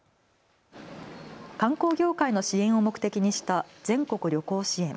観光業界の支援を目的にした全国旅行支援。